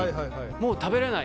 もう食べれない！